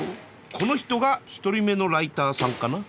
この人が１人目のライターさんかな？